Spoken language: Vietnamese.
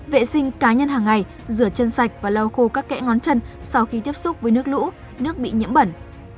vệ sinh cá nhân hàng ngày rửa chân sạch và lau khô các kẽ ngón chân sau khi tiếp xúc với nước lũ nước bị nhiễm bẩn